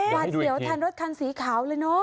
วาดเสียวแทนรถคันสีขาวเลยเนอะ